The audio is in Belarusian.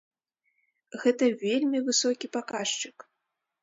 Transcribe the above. Гэта вельмі высокі паказчык!